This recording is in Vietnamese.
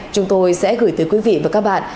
chúng tôi sẽ gửi tới quý vị và các bạn